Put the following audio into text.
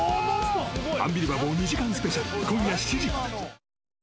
「アンビリバボー」２時間スペシャル今夜７時。